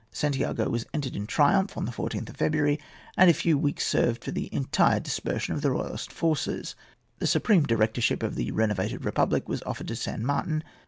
Santiago was entered in triumph on the 14th of February, and a few weeks served for the entire dispersion of the royalist forces. The supreme directorship of the renovated republic was offered to San Martin.